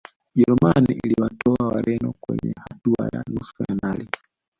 ujerumani iliwatoa wareno kwenye hatua ya nusu fainali